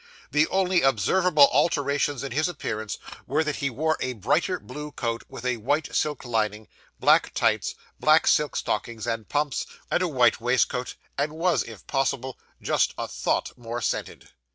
The only observable alterations in his appearance were, that he wore a brighter blue coat, with a white silk lining, black tights, black silk stockings, and pumps, and a white waistcoat, and was, if possible, just a thought more scented.